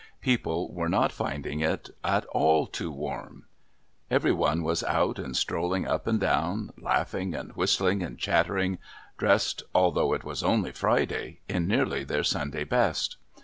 People were not finding it at all too warm. Every one was out and strolling up and down, laughing and whistling and chattering, dressed, although it was only Friday, in nearly their Sunday best.